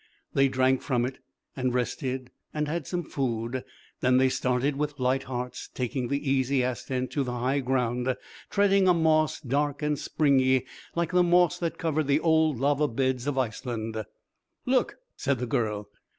They drank from it and rested and had some food, then they started with light hearts, taking the easy ascent to the high ground, treading a moss dark and springy like the moss that covers the old lava beds of Iceland. "Look!" said the girl.